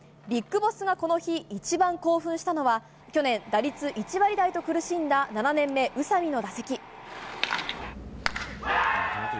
ビッグボスがこの日一番興奮したのは去年、打率１割と苦しんだ７年目、宇佐見の打席。